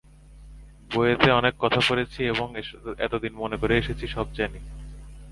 বইয়েতে অনেক কথা পড়েছি এবং এতদিন মনে করে এসেছি সব জানি।